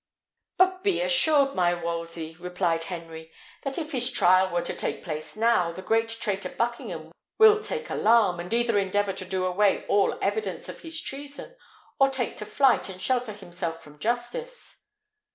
"But be assured, my Wolsey," replied Henry, "that if his trial were to take place now, the great traitor Buckingham will take alarm, and either endeavour to do away all evidence of his treason, or take to flight and shelter himself from justice."